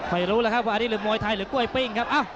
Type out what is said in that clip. ไม่รู้แล้วครับว่าอันนี้หรือมวยไทยหรือกล้วยปิ้งครับ